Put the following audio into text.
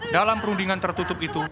dalam perundingan tertutup itu